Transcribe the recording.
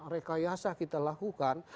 rekayasa kita lakukan